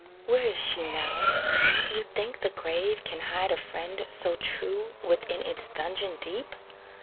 Where is she now? you think the grave can hide A friend so true within its dungeon deep?